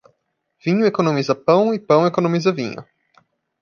Vinho economiza pão e pão economiza vinho.